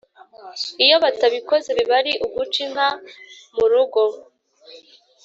Iyo batabikoze baba ari uguca inka mu rugo